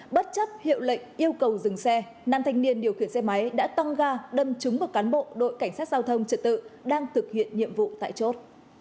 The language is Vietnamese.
bất chấp hiệu lệnh yêu cầu dừng xe nam thanh niên điều khiển xe máy đã tăng ga đâm trúng vào cán bộ đội cảnh sát giao thông trật tự đang thực hiện nhiệm vụ tại chốt